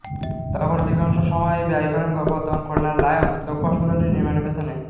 তখন অধিকাংশ সময় ব্যয় করেন বর্তমান খুলনার লায়ন্স চক্ষু হাসপাতালটি নির্মাণের পেছনে।